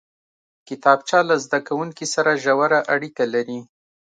کتابچه له زده کوونکي سره ژوره اړیکه لري